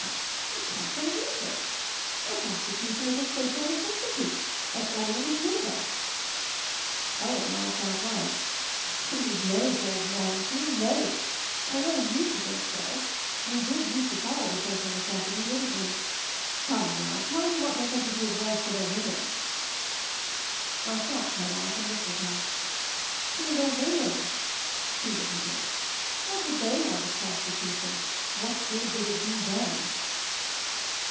I — I can't be lieve it. Why, prostitution is a social neces sity, as old as Nineveh!". Owen laughed outright. "Too late, old man ; too late ! I know we used to think so. We did use to call it a 'social necessity,' . didn't we ? Come, now, tell me what neces ; sity it was to the women/' I stopped my march and looked at him. "To the women," he repeated. "What did they want of prostitution? What good did it do them?"